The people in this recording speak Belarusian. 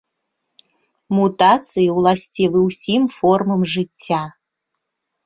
Мутацыі ўласцівы ўсім формам жыцця.